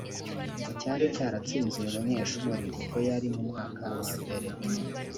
ngo cyari cyaratsinze uyu munyeshuri ubwo yari mu mwaka wa mbere